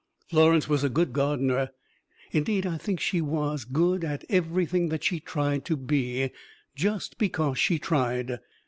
Florence was a good gardener; indeed, I think she was a good everything that she tried to be, just because she tried.